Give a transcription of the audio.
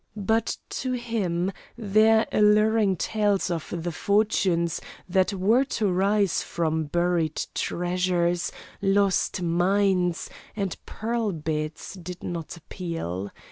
But to him their alluring tales of the fortunes that were to rise from buried treasures, lost mines, and pearl beds did not appeal.